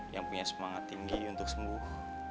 yang punya semangat tinggi untuk sembuh